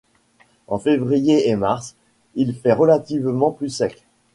Entre février et mars, il fait relativement plus sec.